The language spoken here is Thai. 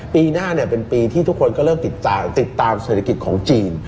ปีหน้าเป็นปีที่ทุกคนก็เริ่มติดตามเศรษฐกิจของจีน